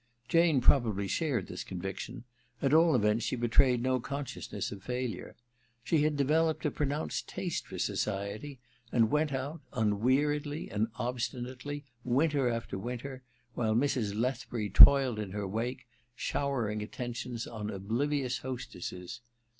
Jane probably shared this conviction ; at all events she betrayed no consciousness of failure. She had developed a pronounced taste for society, and went out, unweariedly and obstinately, winter after winter, while Mrs. Lethbury toiled in her wake, shower ing attentions on oblivious hostesses.